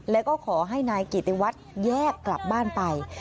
แล้วก็ขอให้นายกิติวัฒน์แยกกลับบ้านไป